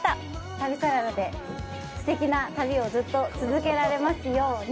旅サラダですてきな旅をずっと続けられますように。